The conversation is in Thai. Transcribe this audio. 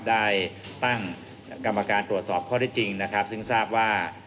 ได้ตั้งกรรมการตรวจสอบข้อได้จริงนะครับซึ่งทราบว่า